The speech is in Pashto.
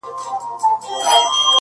یوه کیسه نه لرم، ګراني د هیچا زوی نه یم،